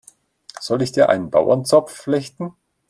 Soll ich dir einen Bauernzopf flechten?